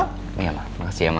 semangat yuk iya mak makasih ya ma